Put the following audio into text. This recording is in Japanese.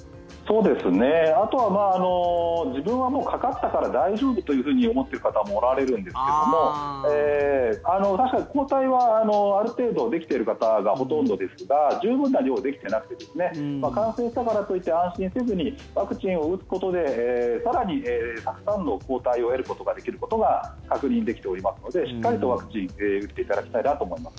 あとは自分はもうかかったから大丈夫と思っている方もおられるんですが確かに抗体はある程度できている方がほとんどですが十分な量ができてなくて感染したからといって安心せずにワクチンを打つことで更にたくさんの抗体を得ることができるということが確認できておりますのでしっかりとワクチンを打っていただきたいと思います。